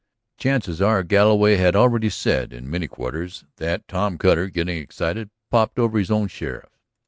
"The chances are," Galloway had already said in many quarters, "that Tom Cutter, getting excited, popped over his own sheriff."